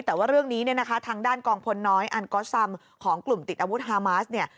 แต่ว่าเรื่องนี้เนี่ยนะคะทางด้านกองพลน้อยอันก๊อสซัมของกลุ่มติดอาวุธฮามาสเนี่ย